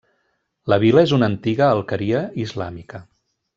La vila és una antiga alqueria islàmica.